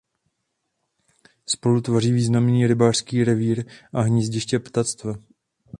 Spolu tvoří významný rybářský revír a hnízdiště ptactva.